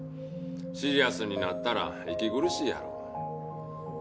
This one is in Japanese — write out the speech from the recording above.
シリアスになったら息苦しいやろ？